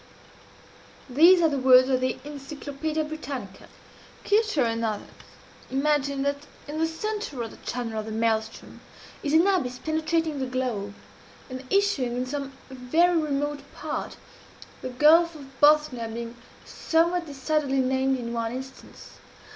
These are the words of the "Encyclopædia Britannica." Kircher and others imagine that in the centre of the channel of the Maelström is an abyss penetrating the globe, and issuing in some very remote part the Gulf of Bothnia being somewhat decidedly named in one instance.